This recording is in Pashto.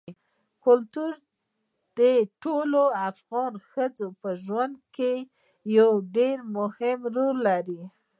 کلتور د ټولو افغان ښځو په ژوند کې یو ډېر مهم رول لري.